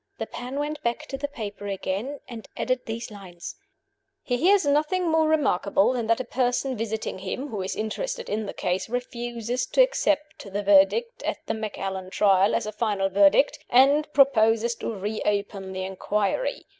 The pen went back to the paper again, and added these lines: "He hears nothing more remarkable than that a person visiting him, who is interested in the case, refuses to accept the verdict at the Macallan Trial as a final verdict, and proposes to reopen the inquiry.